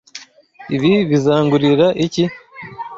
Ibi bizangurira iki?